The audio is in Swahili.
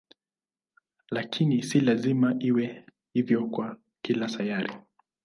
Lakini si lazima iwe hivyo kwa kila sayari.